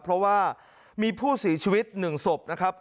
เพราะว่ามีผู้เสียชีวิต๑ศพนะครับ